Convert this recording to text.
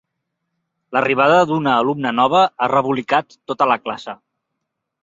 L'arribada d'una alumna nova ha rebolicat tota la classe.